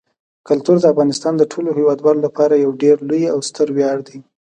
کلتور د افغانستان د ټولو هیوادوالو لپاره یو ډېر لوی او ستر ویاړ دی.